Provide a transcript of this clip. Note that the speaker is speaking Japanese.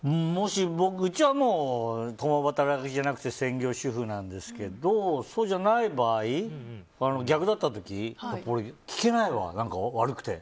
うちはもう共働きじゃなくて専業主婦なんですけどそうじゃない場合、逆だった時俺、聞けないわ、悪くて。